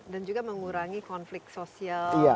dan juga mengurangi konflik sosial ya